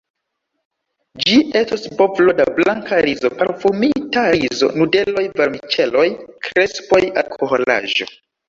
Ĝi estos bovlo da blanka rizo, parfumita rizo, nudeloj, vermiĉeloj, krespoj, alkoholaĵo.